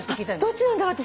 どっちなんだろう私。